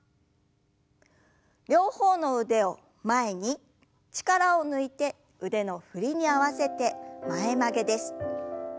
両方の腕を前に力を抜いて腕の振りに合わせて前曲げです。